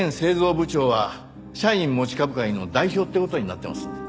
部長は社員持ち株会の代表って事になってますんで。